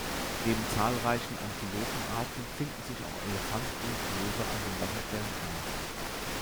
Neben zahlreichen Antilopenarten finden sich auch Elefant und Löwe an den Wasserstellen ein.